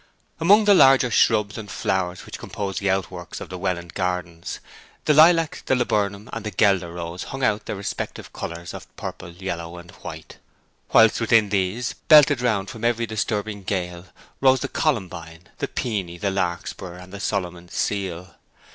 Among the larger shrubs and flowers which composed the outworks of the Welland gardens, the lilac, the laburnum, and the guelder rose hung out their respective colours of purple, yellow, and white; whilst within these, belted round from every disturbing gale, rose the columbine, the peony, the larkspur, and the Solomon's seal.